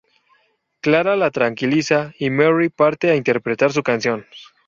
Clara la tranquiliza y Merry parte a interpretar su canción.